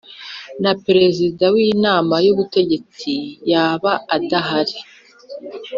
na Perezida w inama y ubutegetsi yaba adahari